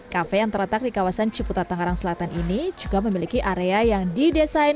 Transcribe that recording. kafe yang terletak di kawasan ciputat tangerang selatan ini juga memiliki area yang didesain